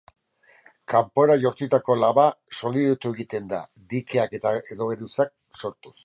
Kanpora jaurtitako laba solidotu egiten da dikeak edo geruzak sortuz.